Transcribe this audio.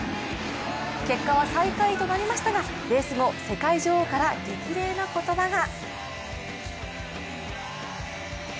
結果は最下位となりましたがレース後、世界女王から激励の言葉が。